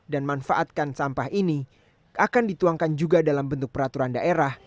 dan manfaatkan sampah ini akan dituangkan juga dalam bentuk peraturan daerah